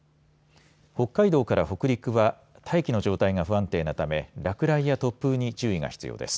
北海道から北陸は大気の状態が不安定なため落雷や突風に注意が必要です。